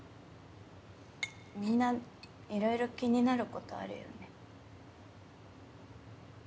みんないろいろ気になることあるよね。